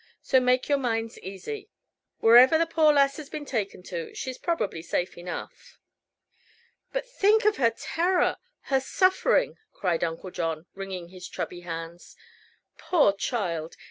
So make your minds easy. Wherever the poor lass has been taken to, she's probably safe enough." "But think of her terror her suffering!" cried Uncle John, wringing his chubby hands. "Poor child!